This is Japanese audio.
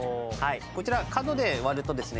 こちら角で割るとですね